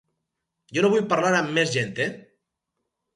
Jo no vull parlar amb més gent, eh?